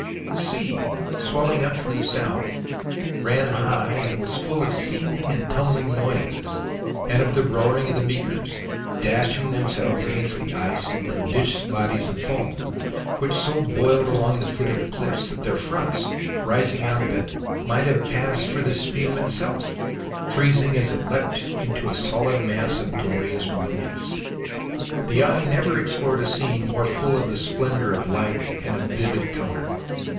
The sea, swelling up from the south, ran high, and was full of seething and tumbling noises, and of the roaring of the breakers, dashing themselves against the ice in prodigious bodies of foam, which so boiled along the foot of the cliffs that their fronts, rising out of it, might have passed for the spume itself freezing as it leapt into a solid mass of glorious brilliance. The eye never explored a scene more full of the splendour of light and of vivid colour.